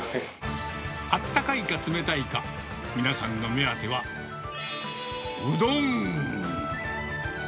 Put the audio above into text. あったかいか冷たいか、皆さんの目当ては、うどん。